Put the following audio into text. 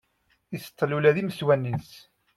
Iṣeṭṭel ula d imeswan-ines.